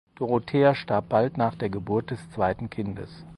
Dorothea starb bald nach der Geburt des zweiten Kindes.